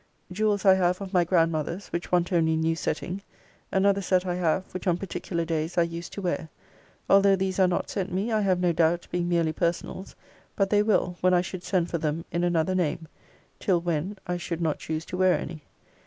Jewels I have of my grandmother's, which want only new setting: another set I have, which on particular days I used to wear. Although these are not sent me, I have no doubt, being merely personals, but they will, when I should send for them in another name: till when I should not choose to wear any.